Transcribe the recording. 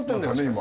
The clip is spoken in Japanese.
今。